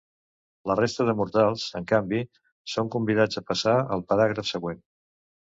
La resta de mortals, en canvi, són convidats a passar al paràgraf següent.